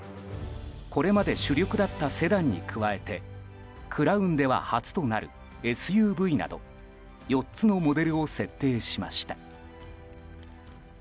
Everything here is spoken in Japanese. これまで主力だったセダンに加えてクラウンでは初となるＳＵＶなど４つのモデルを設定しました。